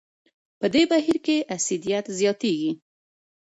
په دې بهیر کې اسیدیت زیاتېږي.